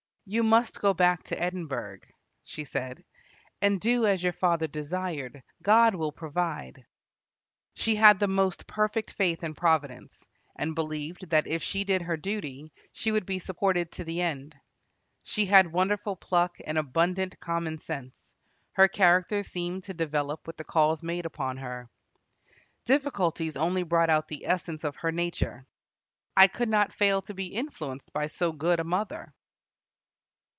"You must go back to Edinburgh," she said, "and do as your father desired. God will provide." She had the most perfect faith in Providence, and believed that if she did her duty, she would be supported to the end. She had wonderful pluck and abundant common sense. Her character seemed to develop with the calls made upon her. Difficulties only brought out the essence of her nature. "I could not fail to be influenced by so good a mother."